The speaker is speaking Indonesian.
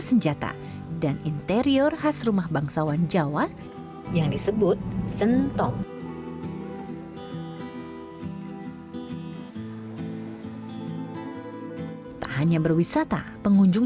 senjata dan interior khas rumah bangsawan jawa yang disebut sentong tak hanya berwisata pengunjung